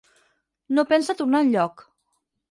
No pensa tornar enlloc.